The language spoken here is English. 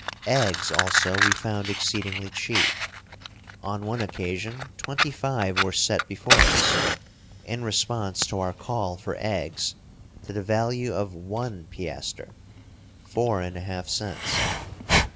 Eggs, also, we found exceedingly cheap. On one occasion, twenty five were set before us, in response to our call for eggs to the value of one piaster — four and a half cents.